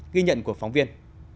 ghi nhận của phóng viên